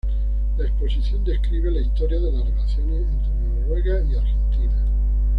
La exposición describe la historia de las relaciones entre Noruega y Argentina.